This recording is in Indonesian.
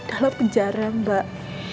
dalam penjara mbak